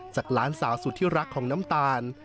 หลานสาวสุดที่รักของน้ำตาล